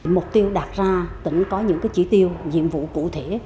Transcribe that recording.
mục tiêu đạt ra tỉnh có những chỉ tiêu nhiệm vụ cụ thể